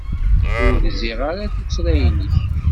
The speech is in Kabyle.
Ur gziɣ ara tuttra-nnek.